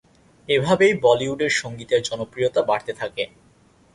এভাবেই বলিউডের সঙ্গীতের জনপ্রিয়তা বাড়তে থাকে।